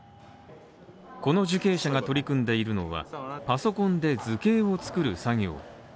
この受刑者が取り組んでいるのは、パソコンで図形を作る作業。